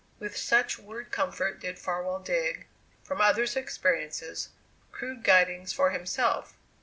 With such word comfort did Farwell dig, from other's experiences, crude guidings for himself!